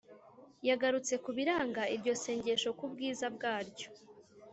yagarutse ku biranga iryo sengesho, ku bwiza bwaryo